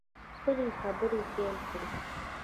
خپلې خبرې پیل کړې.